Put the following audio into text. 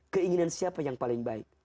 keinginan siapa yang paling baik